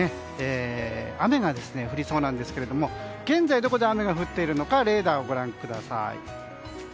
雨が降りそうなんですが現在、どこで雨が降っているのかレーダーをご覧ください。